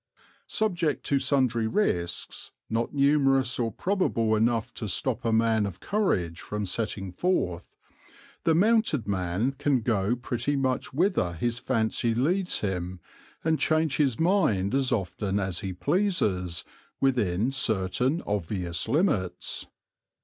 Subject to sundry risks, not numerous or probable enough to stop a man of courage from setting forth, the mounted man can go pretty much whither his fancy leads him and change his mind as often as he pleases, within certain obvious limits.